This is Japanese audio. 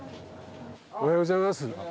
おはようございます。